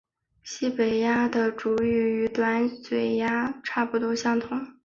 西北鸦的主羽与短嘴鸦差不多相同。